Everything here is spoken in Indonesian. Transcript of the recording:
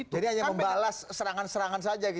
jadi hanya membalas serangan serangan saja